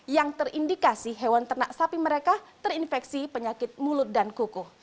yang terindikasi hewan ternak sapi mereka terinfeksi penyakit mulut dan kuku